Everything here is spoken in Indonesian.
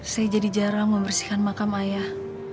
saya jadi jarang membersihkan makam ayah